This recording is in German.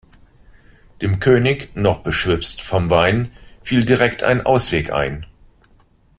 Dem König, noch beschwipst vom Wein, fiel direkt ein Ausweg ein.